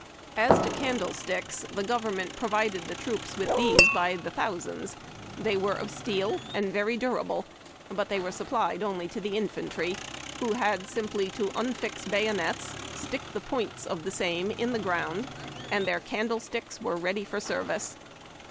As to candlesticks, the government provided the troops with these by tlie thousands. They were of steel, and very durable, but were supplied only to the infantry, who had simply to unfix bayonets, stick the points of the same in the ground, and their candlesticks were ready for service.